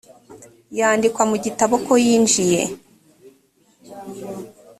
yandikwa mu gitabo ko yinjiye,